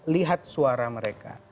lihat suara mereka